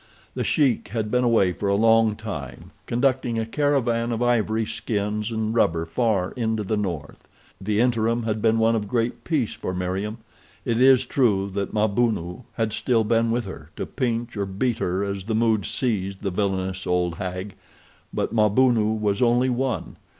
The Sheik had been away for a long time, conducting a caravan of ivory, skins, and rubber far into the north. The interim had been one of great peace for Meriem. It is true that Mabunu had still been with her, to pinch or beat her as the mood seized the villainous old hag; but Mabunu was only one.